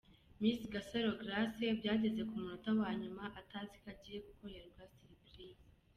Miss Gasaro Grace byageze ku munota wanyuma ataziko agiye gukorerwa siripurize.